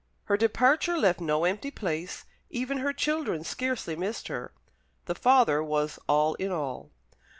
Her departure left no empty place; even her children scarcely missed her. The father was all in all.